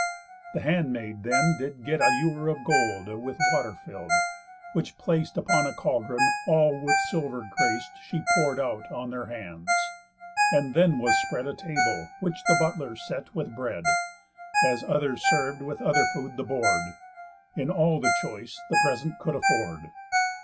The handmaid then did get An ewer of gold, with water fill'd, which plac'd Upon a caldron, all with silver grac'd, She pour'd out on their hands. And then was spread A table, which the butler set with bread, As others serv'd with other food the board, In all the choice the present could afford.